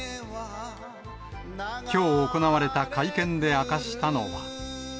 きょう行われた会見で明かしたのは。